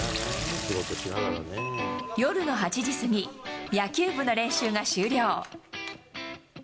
夜の８時過ぎ、野球部の練習が終了。